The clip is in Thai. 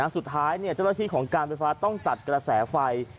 สุดท้ายเจ้าหน้าที่ของการไฟฟ้าต้องจัดกระแสไฟ